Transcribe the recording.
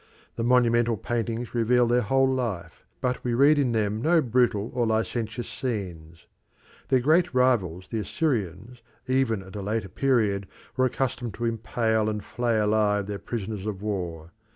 The monumental paintings reveal their whole life, but we read in them no brutal or licentious scenes. Their great rivals, the Assyrians, even at a later period, were accustomed to impale and flay alive their prisoners of war.